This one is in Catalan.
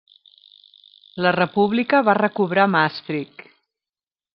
La República va recobrar Maastricht.